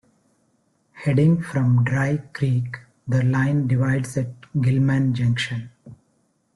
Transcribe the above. Heading from Dry Creek, the line divides at Gillman Junction.